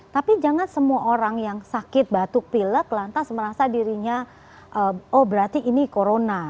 tapi jangan semua orang yang sakit batuk pilek lantas merasa dirinya oh berarti ini corona